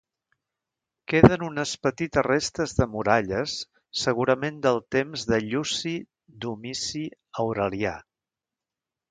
Queden unes petites restes de muralles segurament del temps de Lluci Domici Aurelià.